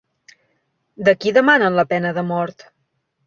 De qui demanen la pena de mort?